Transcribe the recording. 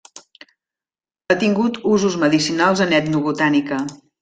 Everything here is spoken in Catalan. Ha tingut usos medicinals en etnobotànica.